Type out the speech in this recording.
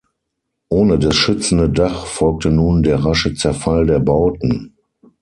Ohne das schützende Dach folgte nun der rasche Zerfall der Bauten.